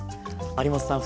有元さん